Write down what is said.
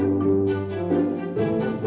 mari di situ nih